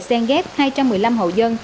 xen ghép hai trăm một mươi năm hộ dân